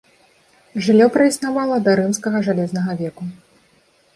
Жыллё праіснавала да рымскага жалезнага веку.